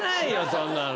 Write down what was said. そんなの。